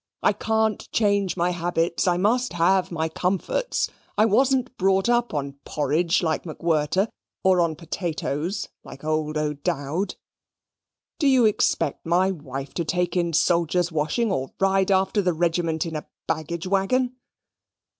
I can't change my habits. I must have my comforts. I wasn't brought up on porridge, like MacWhirter, or on potatoes, like old O'Dowd. Do you expect my wife to take in soldiers' washing, or ride after the regiment in a baggage waggon?"